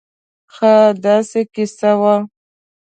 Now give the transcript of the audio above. خاا داسې قیصه وه